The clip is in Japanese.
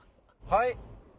はい？